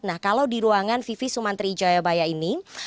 nah kalau di ruangan vivi sumantri jayabaya ini